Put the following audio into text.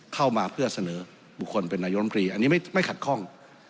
เข้ามาเพื่อเสนอบุคคลเป็นนายมตรีอันนี้ไม่ขัดข้อง